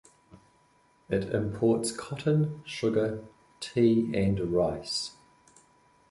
It imports cotton, sugar, tea and rice.